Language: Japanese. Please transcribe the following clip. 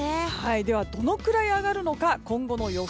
ではどのくらい上がるのか今後の予想